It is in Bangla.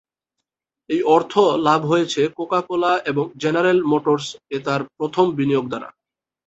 এই অর্থ লাভ হয়েছে কোকা কোলা এবং জেনারেল মোটরস এ তাঁর প্রথম বিনিয়োগের দ্বারা।